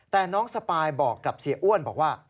แต่น้องสปายบอกกับเสียอ้วนบอกว่า